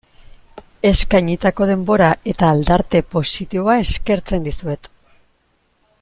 Eskainitako denbora eta aldarte positiboa eskertzen dizuet.